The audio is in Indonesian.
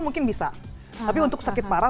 tapi untuk sakit parah